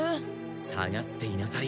下がっていなさい。